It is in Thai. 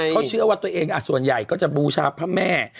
เขาเชื่อว่าตัวเองส่วนใหญ่ก็จะบูชาพระแม่